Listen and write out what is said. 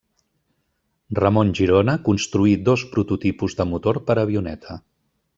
Ramon Girona construí dos prototipus de motor per a avioneta.